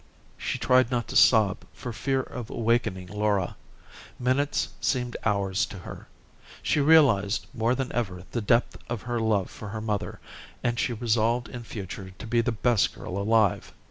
She tried not to sob for fear of awakening Laura. Minutes seemed hours to her. She realized more than ever the depth of her love for her mother, and she resolved in future to be the best girl alive.